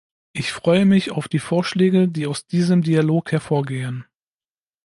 Ich freue mich auf die Vorschläge, die aus diesem Dialog hervorgehen.